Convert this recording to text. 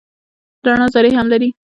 رڼا ذرې هم لري.